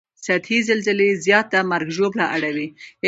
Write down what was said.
سطحي زلزلې زیاته مرګ ژوبله اړوي